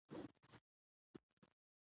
د ژبي له لارې کلتور خوندي پاتې کیږي.